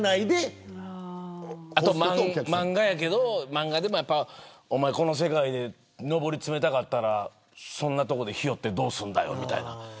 漫画でも、おまえこの世界で上り詰めたかったらそんなところでひよってどうするんだよみたいな。